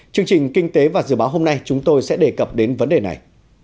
chương trình kinh tế và dự báo hôm nay chúng tôi sẽ đề cập đến vấn đề này